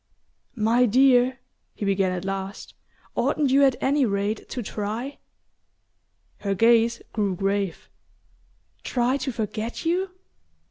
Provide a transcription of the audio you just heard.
"My dear," he began at last, "oughtn't you, at any rate, to try?" Her gaze grew grave. "Try to forget you?"